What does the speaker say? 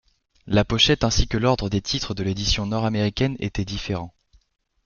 La pochette ainsi que l'ordre des titres de l'édition nord-américaine étaient différents.